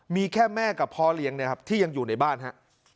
มีแค่แม่กับพ่อเลี้ยงนะครับที่ยังอยู่ในบ้านฮะ